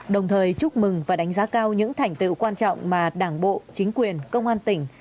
đồng thời chúc mừng và đánh giá cao những thành tựu quan trọng mà đảng bộ chính quyền công an tỉnh